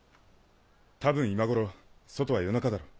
多分今頃外は夜中だろう。